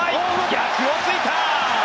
逆を突いた！